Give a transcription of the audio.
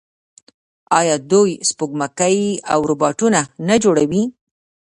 آیا دوی سپوږمکۍ او روباټونه نه جوړوي؟